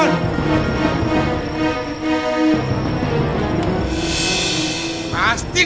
untuk memengaruhi asal peanut